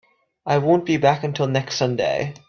I won't be back until next Sunday.